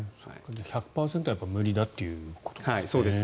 １００％は無理だということですね。